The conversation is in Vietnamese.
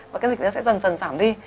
và cái dịch nó sẽ dần dần giảm đi